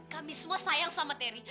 kami semua sayang sama terry